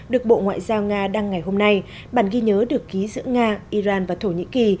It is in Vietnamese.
được bộ ngoại giao nga đăng ngày hôm nay bản ghi nhớ được ký giữa nga iran và thổ nhĩ kỳ